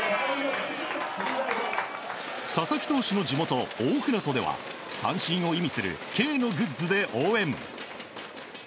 佐々木投手の地元・大船渡では三振を意味するＫのグッズで応援。